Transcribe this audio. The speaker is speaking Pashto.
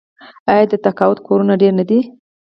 آیا د تقاعد کورونه ډیر نه دي؟